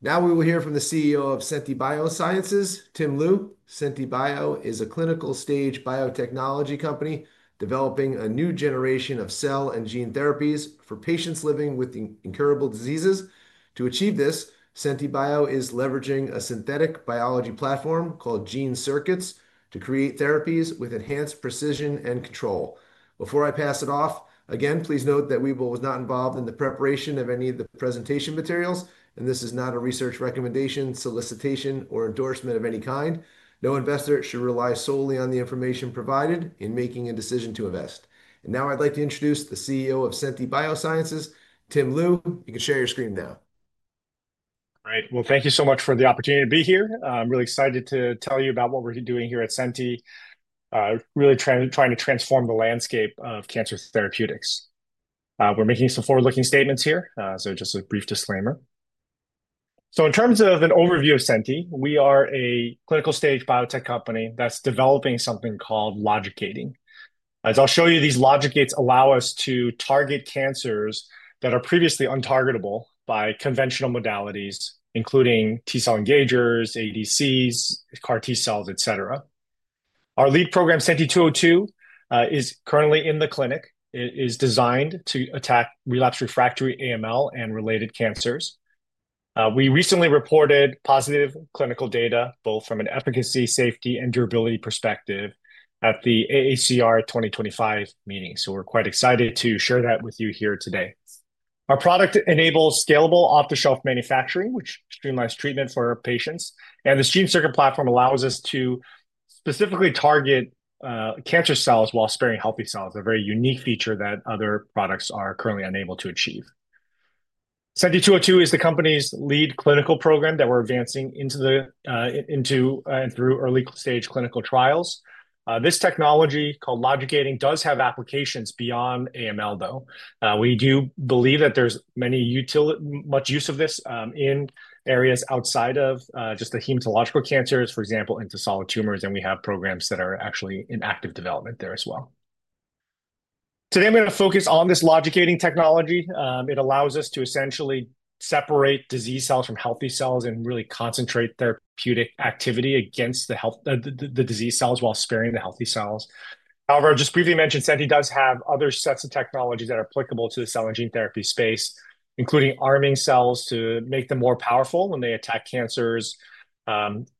Now we will hear from the CEO of Senti Biosciences, Tim Lu. Senti Bio is a clinical stage biotechnology company developing a new generation of cell and gene therapies for patients living with incurable diseases. To achieve this, Senti Bio is leveraging a synthetic biology platform called Gene Circuits to create therapies with enhanced precision and control. Before I pass it off, again, please note that we were not involved in the preparation of any of the presentation materials, and this is not a research recommendation, solicitation, or endorsement of any kind. No investor should rely solely on the information provided in making a decision to invest. Now I'd like to introduce the CEO of Senti Biosciences, Tim Lu. You can share your screen now. All right. Thank you so much for the opportunity to be here. I'm really excited to tell you about what we're doing here at Senti, really trying to transform the landscape of cancer therapeutics. We're making some forward-looking statements here, so just a brief disclaimer. In terms of an overview of Senti, we are a clinical stage biotech company that's developing something called Logic Gating. As I'll show you, these Logic Gates allow us to target cancers that are previously untargetable by conventional modalities, including T cell engagers, ADCs, CAR T-cells, et cetera. Our lead program, Senti 202, is currently in the clinic. It is designed to attack relapsed/refractory AML and related cancers. We recently reported positive clinical data, both from an efficacy, safety, and durability perspective at the AACR 2025 meeting. We're quite excited to share that with you here today. Our product enables scalable off-the-shelf manufacturing, which streamlines treatment for patients. The Gene Circuit platform allows us to specifically target cancer cells while sparing healthy cells, a very unique feature that other products are currently unable to achieve. Senti 202 is the company's lead clinical program that we're advancing into and through early stage clinical trials. This technology called Logic Gating does have applications beyond AML, though. We do believe that there's much use of this in areas outside of just the hematological cancers, for example, into solid tumors. We have programs that are actually in active development there as well. Today, I'm going to focus on this Logic Gating Technology. It allows us to essentially separate disease cells from healthy cells and really concentrate therapeutic activity against the disease cells while sparing the healthy cells. However, I just briefly mentioned Senti does have other sets of technologies that are applicable to the cell and gene therapy space, including arming cells to make them more powerful when they attack cancers,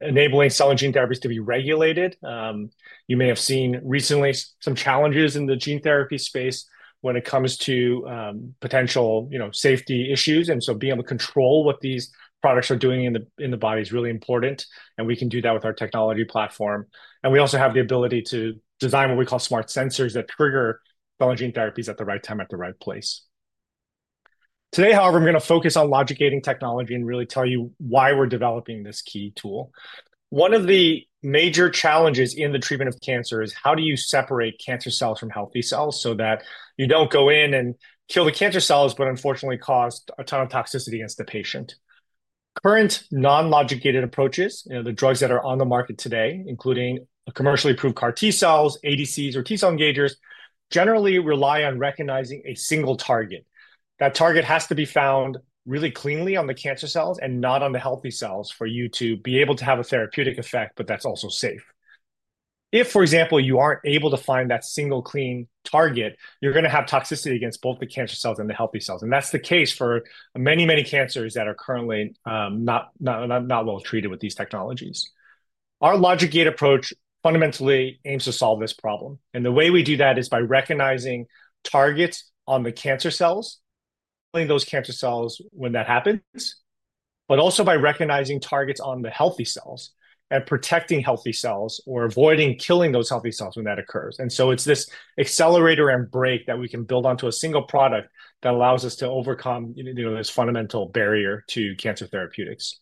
enabling cell and gene therapies to be regulated. You may have seen recently some challenges in the gene therapy space when it comes to potential safety issues. Being able to control what these products are doing in the body is really important. We can do that with our technology platform. We also have the ability to design what we call smart sensors that trigger cell and gene therapies at the right time at the right place. Today, however, I'm going to focus on Logic Gating technology and really tell you why we're developing this key tool. One of the major challenges in the treatment of cancer is how do you separate cancer cells from healthy cells so that you do not go in and kill the cancer cells, but unfortunately cause a ton of toxicity against the patient. Current Non-Logic Gated approaches, the drugs that are on the market today, including commercially approved CAR T-cells, ADCs, or T cell engagers, generally rely on recognizing a single target. That target has to be found really cleanly on the cancer cells and not on the healthy cells for you to be able to have a therapeutic effect, but that is also safe. If, for example, you are not able to find that single clean target, you are going to have toxicity against both the cancer cells and the healthy cells. That is the case for many, many cancers that are currently not well treated with these technologies. Our Logic Gate approach fundamentally aims to solve this problem. The way we do that is by recognizing targets on the cancer cells, killing those cancer cells when that happens, but also by recognizing targets on the healthy cells and protecting healthy cells or avoiding killing those healthy cells when that occurs. It is this accelerator and brake that we can build onto a single product that allows us to overcome this fundamental barrier to cancer therapeutics.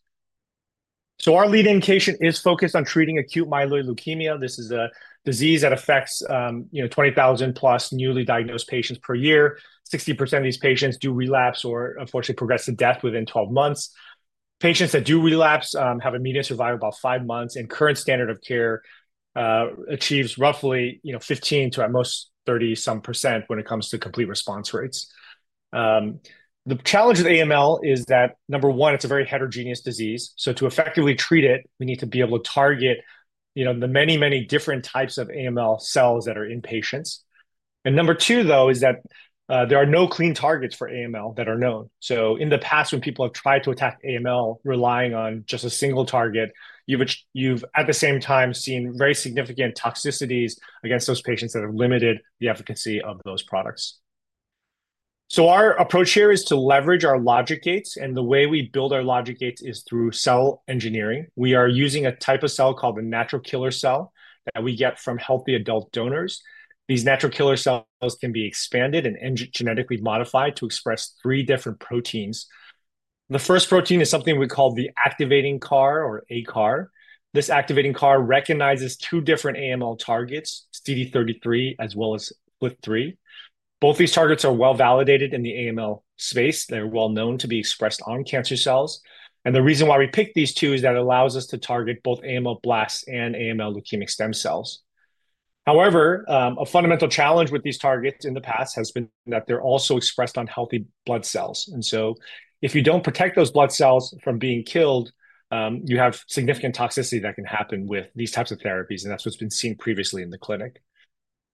Our lead indication is focused on treating acute myeloid leukemia. This is a disease that affects 20,000 plus newly diagnosed patients per year. 60% of these patients do relapse or unfortunately progress to death within 12 months. Patients that do relapse have a median survival of about five months. Current standard of care achieves roughly 15% to at most 30-some percent when it comes to complete response rates. The challenge with AML is that, number one, it's a very heterogeneous disease. To effectively treat it, we need to be able to target the many, many different types of AML cells that are in patients. Number two, though, is that there are no clean targets for AML that are known. In the past, when people have tried to attack AML relying on just a single target, you've at the same time seen very significant toxicities against those patients that have limited the efficacy of those products. Our approach here is to leverage our Logic Gates. The way we build our Logic Gates is through cell engineering. We are using a type of cell called the natural killer cell that we get from healthy adult donors. These natural killer cells can be expanded and genetically modified to express three different proteins. The first protein is something we call the activating CAR or ACAR. This activating CAR recognizes two different AML targets, CD33 as well as CD123. Both these targets are well validated in the AML space. They're well known to be expressed on cancer cells. The reason why we picked these two is that it allows us to target both AML blasts and AML leukemic stem cells. However, a fundamental challenge with these targets in the past has been that they're also expressed on healthy blood cells. If you don't protect those blood cells from being killed, you have significant toxicity that can happen with these types of therapies. That's what's been seen previously in the clinic.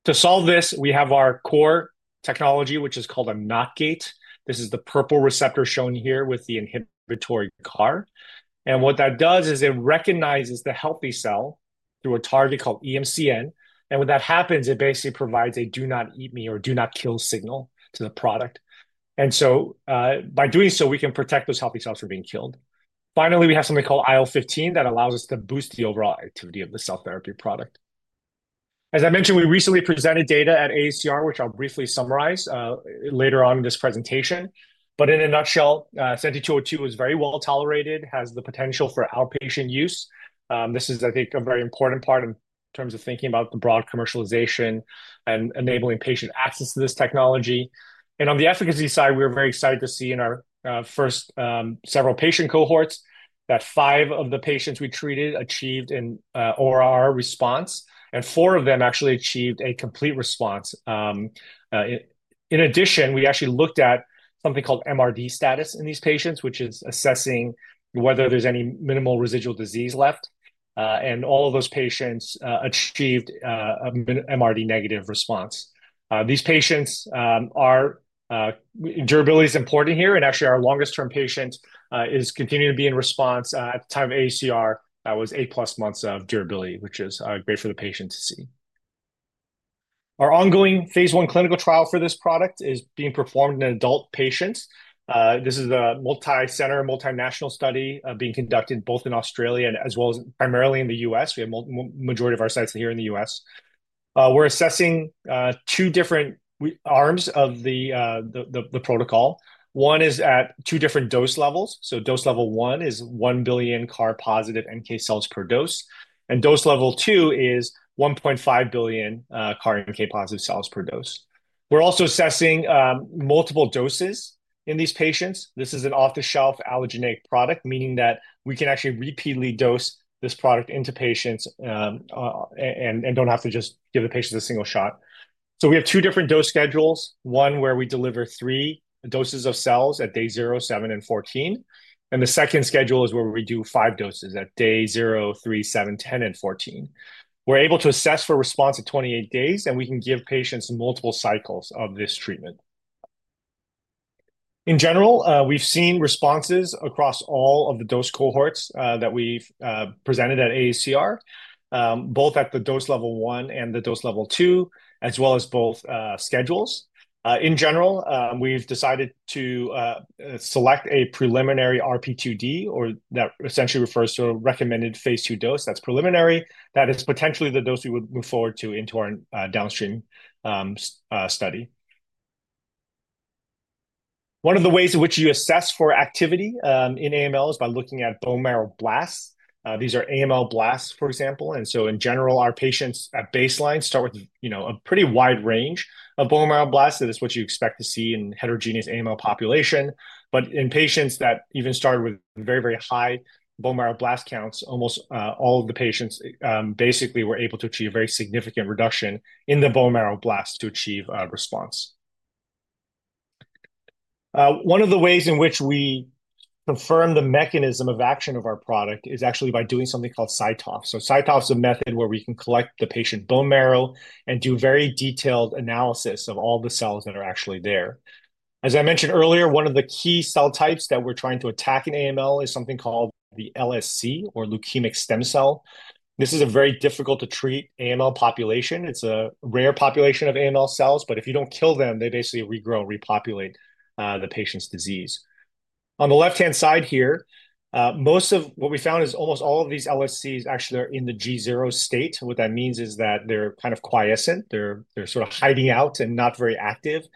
To solve this, we have our Core Technology, which is called a NOT Gate. This is the purple receptor shown here with the inhibitory CAR. What that does is it recognizes the healthy cell through a target called EMCN. When that happens, it basically provides a do not eat me or do not kill signal to the product. By doing so, we can protect those healthy cells from being killed. Finally, we have something called IL-15 that allows us to boost the overall activity of the cell therapy product. As I mentioned, we recently presented data at AACR, which I'll briefly summarize later on in this presentation. In a nutshell, Senti 202 is very well tolerated, has the potential for outpatient use. This is, I think, a very important part in terms of thinking about the broad commercialization and enabling patient access to this technology. On the efficacy side, we were very excited to see in our first several patient cohorts that five of the patients we treated achieved an ORR response, and four of them actually achieved a complete response. In addition, we actually looked at something called MRD status in these patients, which is assessing whether there is any minimal residual disease left. All of those patients achieved an MRD negative response. These patients' durability is important here. Actually, our longest-term patient is continuing to be in response. At the time of AACR, that was eight-plus months of durability, which is great for the patient to see. Our ongoing Phase I clinical trial for this product is being performed in adult patients. This is a multi-center, multinational study being conducted both in Australia as well as primarily in the U.S. We have the majority of our sites here in the U.S. We're assessing two different arms of the protocol. One is at two different dose levels. Dose level one is 1 billion CAR positive NK cells per dose. Dose level two is 1.5 billion CAR NK positive cells per dose. We're also assessing multiple doses in these patients. This is an off-the-shelf allogeneic product, meaning that we can actually repeatedly dose this product into patients and don't have to just give the patients a single shot. We have two different dose schedules, one where we deliver three doses of cells at day 0, 7, and 14. The second schedule is where we do five doses at day 0, 3, 7, 10, and 14. We're able to assess for response at 28 days, and we can give patients multiple cycles of this treatment. In general, we've seen responses across all of the dose cohorts that we've presented at AACR, both at the dose level one and the dose level two, as well as both schedules. In general, we've decided to select a preliminary RP2D, or that essentially refers to a recommended Phase II dose. That's preliminary. That is potentially the dose we would move forward to into our downstream study. One of the ways in which you assess for activity in AML is by looking at bone marrow blasts. These are AML blasts, for example. In general, our patients at baseline start with a pretty wide range of bone marrow blasts. That is what you expect to see in heterogeneous AML population. In patients that even started with very, very high bone marrow blast counts, almost all of the patients basically were able to achieve a very significant reduction in the bone marrow blasts to achieve response. One of the ways in which we confirm the mechanism of action of our product is actually by doing something called CyTOF. CyTOF is a method where we can collect the patient bone marrow and do very detailed analysis of all the cells that are actually there. As I mentioned earlier, one of the key cell types that we're trying to attack in AML is something called the LSC or leukemic stem cell. This is a very difficult-to-treat AML population. It's a rare population of AML cells. If you don't kill them, they basically regrow and repopulate the patient's disease. On the left-hand side here, most of what we found is almost all of these LSCs actually are in the G0 state. What that means is that they're kind of quiescent. They're sort of hiding out and not very active.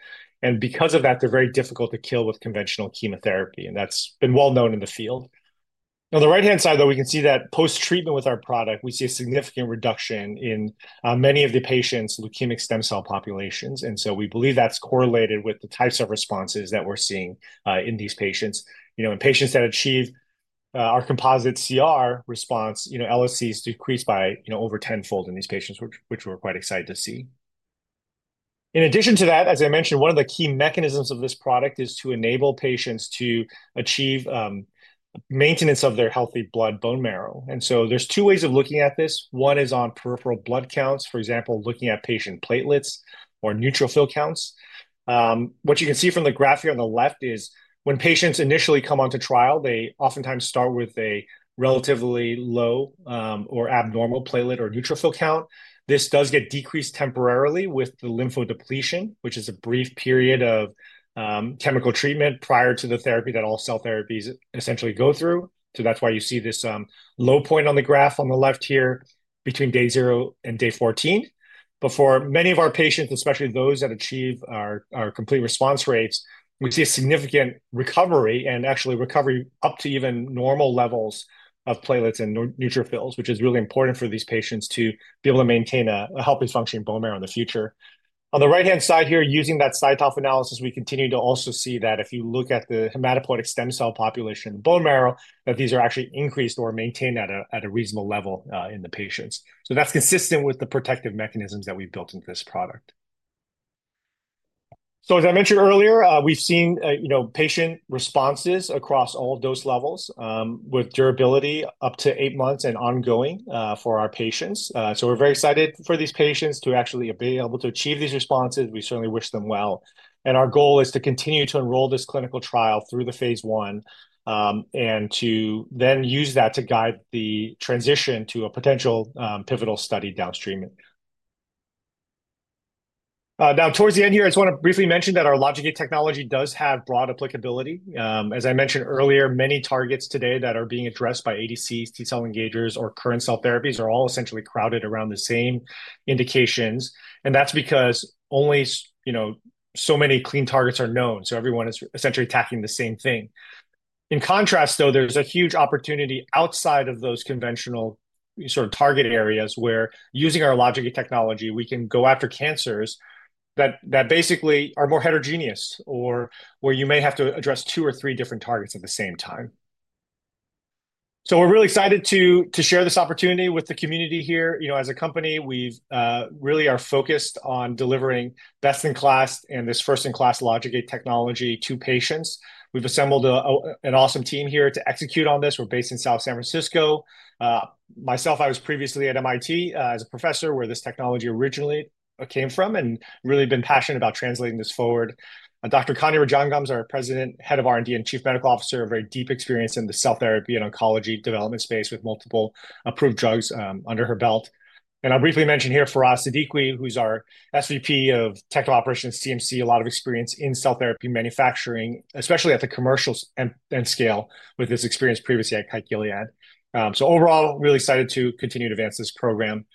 Because of that, they're very difficult to kill with conventional chemotherapy. That's been well known in the field. On the right-hand side, though, we can see that post-treatment with our product, we see a significant reduction in many of the patients' leukemic stem cell populations. We believe that's correlated with the types of responses that we're seeing in these patients. In patients that achieve our composite CR response, LSCs decrease by over tenfold in these patients, which we're quite excited to see. In addition to that, as I mentioned, one of the key mechanisms of this product is to enable patients to achieve maintenance of their healthy blood bone marrow. There are two ways of looking at this. One is on peripheral blood counts, for example, looking at patient platelets or neutrophil counts. What you can see from the graph here on the left is when patients initially come onto trial, they oftentimes start with a relatively low or abnormal platelet or neutrophil count. This does get decreased temporarily with the lymphodepletion, which is a brief period of chemical treatment prior to the therapy that all cell therapies essentially go through. That is why you see this low point on the graph on the left here between day 0 and day 14. For many of our patients, especially those that achieve our complete response rates, we see a significant recovery and actually recovery up to even normal levels of platelets and neutrophils, which is really important for these patients to be able to maintain a healthy functioning bone marrow in the future. On the right-hand side here, using that CyTOF analysis, we continue to also see that if you look at the hematopoietic stem cell population in the bone marrow, that these are actually increased or maintained at a reasonable level in the patients. That is consistent with the protective mechanisms that we have built into this product. As I mentioned earlier, we have seen patient responses across all dose levels with durability up to eight months and ongoing for our patients. We are very excited for these patients to actually be able to achieve these responses. We certainly wish them well. Our goal is to continue to enroll this clinical trial through the Phase I and to then use that to guide the transition to a potential pivotal study downstream. Now, towards the end here, I just want to briefly mention that our Logic Gate Technology does have broad applicability. As I mentioned earlier, many targets today that are being addressed by ADCs, T cell engagers, or current cell therapies are all essentially crowded around the same indications. That is because only so many clean targets are known. Everyone is essentially attacking the same thing. In contrast, though, there is a huge opportunity outside of those conventional sort of target areas where using our Logic Gate technology, we can go after cancers that basically are more heterogeneous or where you may have to address two or three different targets at the same time. We're really excited to share this opportunity with the community here. As a company, we really are focused on delivering best-in-class and this first-in-class Logic Gate Technology to patients. We've assembled an awesome team here to execute on this. We're based in South San Francisco. Myself, I was previously at MIT as a professor where this technology originally came from and really been passionate about translating this forward. Dr. Kanya Rajangam is our President, Head of R&D, and Chief Medical Officer, a very deep experience in the cell therapy and oncology development space with multiple approved drugs under her belt. I'll briefly mention here Faraz Siddiqui, who's our SVP of Technical Operations CMC, a lot of experience in cell therapy manufacturing, especially at the commercial scale with his experience previously at Kaikilia. Overall, really excited to continue to advance this program.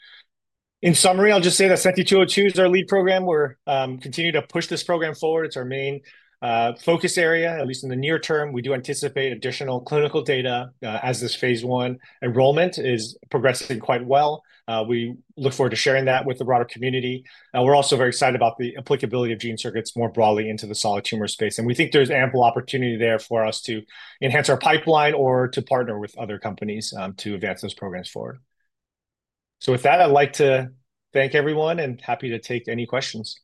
In summary, I'll just say that Senti 202 is our lead program. We're continuing to push this program forward. It's our main focus area, at least in the near term. We do anticipate additional clinical data as this phase one enrollment is progressing quite well. We look forward to sharing that with the broader community. We're also very excited about the applicability of gene circuits more broadly into the solid tumor space. We think there's ample opportunity there for us to enhance our pipeline or to partner with other companies to advance those programs forward. With that, I'd like to thank everyone and happy to take any questions.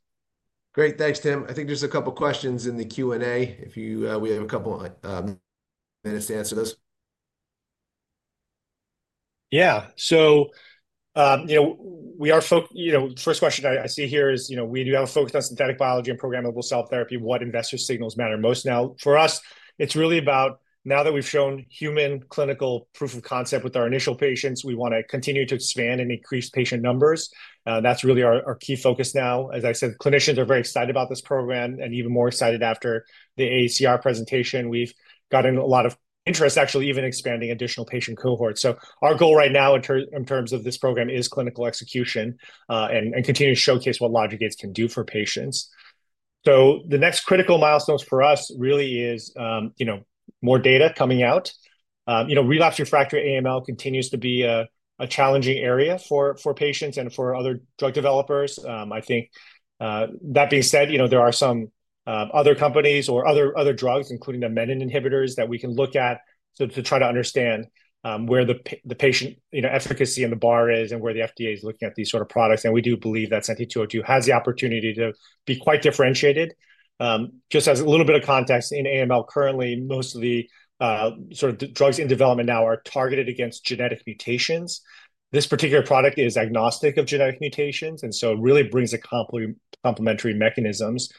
Great. Thanks, Tim. I think there's a couple of questions in the Q&A. We have a couple of minutes to answer those. Yeah. We are focused—first question I see here is we do have a focus on synthetic biology and programmable cell therapy. What investor signals matter most now? For us, it's really about now that we've shown human clinical proof of concept with our initial patients, we want to continue to expand and increase patient numbers. That's really our key focus now. As I said, clinicians are very excited about this program and even more excited after the AACR presentation. We've gotten a lot of interest, actually even expanding additional patient cohorts. Our goal right now in terms of this program is clinical execution and continue to showcase what Logic Gates can do for patients. The next critical milestones for us really is more data coming out. Relapsed/refractory AML continues to be a challenging area for patients and for other drug developers. I think that being said, there are some other companies or other drugs, including the Menin inhibitors, that we can look at to try to understand where the patient efficacy and the bar is and where the FDA is looking at these sort of products. We do believe that Senti 202 has the opportunity to be quite differentiated. Just as a little bit of context, in AML currently, most of the sort of drugs in development now are targeted against genetic mutations. This particular product is agnostic of genetic mutations. It really brings complementary mechanisms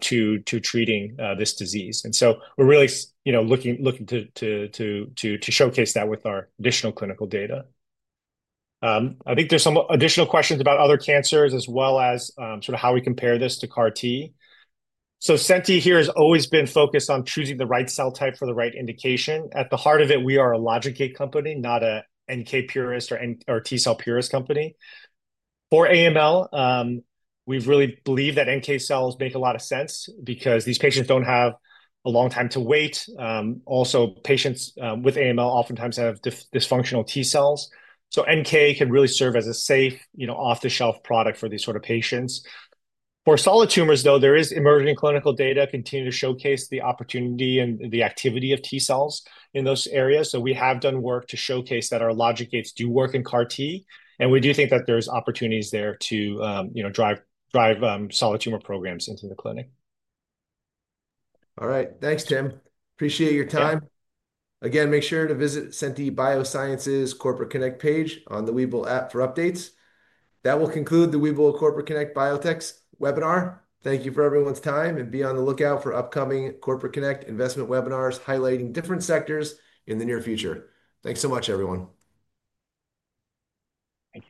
to treating this disease. We are really looking to showcase that with our additional clinical data. I think there are some additional questions about other cancers as well as sort of how we compare this to CAR T. Senti here has always been focused on choosing the right cell type for the right indication. At the heart of it, we are a Logic Gate company, not an NK purist or T cell purist company. For AML, we really believe that NK cells make a lot of sense because these patients do not have a long time to wait. Also, patients with AML oftentimes have dysfunctional T cells. NK can really serve as a safe off-the-shelf product for these sort of patients. For solid tumors, though, there is emerging clinical data continuing to showcase the opportunity and the activity of T cells in those areas. We have done work to showcase that our Logic Gates do work in CAR T. We do think that there are opportunities there to drive solid tumor programs into the clinic. All right. Thanks, Tim. Appreciate your time. Again, make sure to visit Senti Biosciences Corporate Connect page on the Webull app for updates. That will conclude the Webull Corporate Connect Biotechs webinar. Thank you for everyone's time. Be on the lookout for upcoming Corporate Connect investment webinars highlighting different sectors in the near future. Thanks so much, everyone.